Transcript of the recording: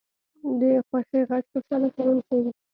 د خوښۍ غږ خوشحاله کوونکی وي